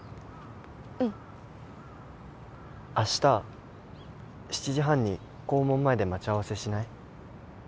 うん明日７時半に校門前で待ち合わせしない？